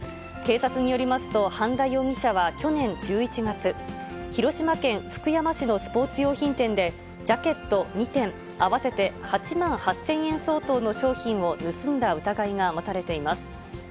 警察によりますと、半田容疑者は去年１１月、広島県福山市のスポーツ用品店で、ジャケット２点、合わせて８万８０００円相当の商品を盗んだ疑いが持たれています。